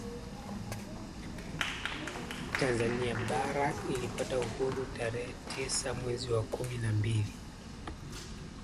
Tanzania bara ilipata uhuru tarehe tisa mwezi wa kumi na mbili